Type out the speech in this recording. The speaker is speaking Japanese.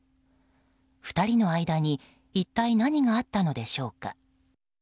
２人の間に一体何があったのでしょうか？